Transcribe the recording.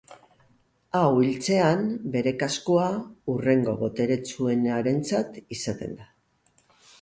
Hau hiltzean, bere kaskoa hurrengo boteretsuenarentzat izaten da.